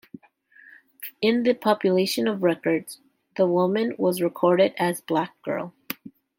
In the Population of Record, the woman was recorded as Black Girl.